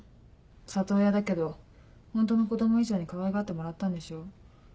里親だけどホントの子供以上にかわいがってもらったんでしょ？